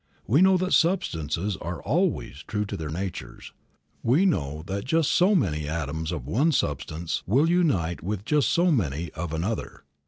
We know that substances are always true to their natures; we know that just so many atoms of one substance will unite with just so many of another.